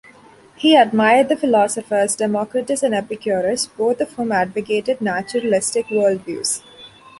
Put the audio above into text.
He admired the philosophers Democritus and Epicurus, both of whom advocated naturalistic worldviews.